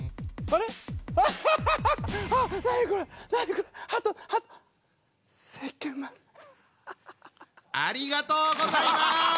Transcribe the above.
ありがとうございます！